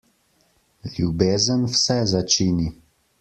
Ljubezen vse začini.